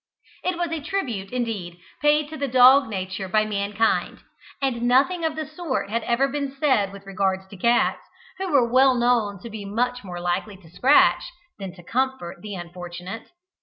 It was a tribute, indeed, paid to dog nature by mankind; and nothing of the sort had ever been said with regard to cats, who were well known to be much more likely to scratch, than to comfort, the unfortunate.